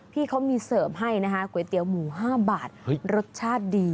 พี่เขามีเสิร์ฟให้นะคะก๋วยเตี๋ยวหมู๕บาทรสชาติดี